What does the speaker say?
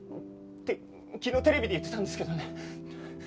って昨日テレビで言ってたんですけどね。